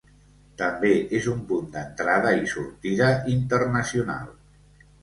També és un punt d'entrada i sortida internacional.